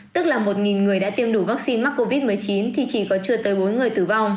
tức là một người đã tiêm đủ vaccine mắc covid một mươi chín thì chỉ có chưa tới bốn người tử vong